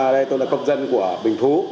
đây tôi là công dân của bình phú